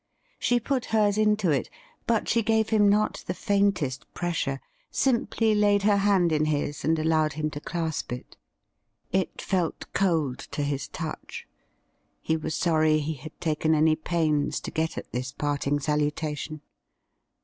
She put hers into it, but she gave him not the faintest pressure — simply laid her hand in his and allowed him to clasp it. It felt cold to his touch. He was sorry he had taken any pains to get at this parting salutation.